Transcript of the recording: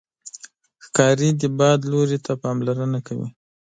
ښکاري د باد لوري ته پاملرنه کوي.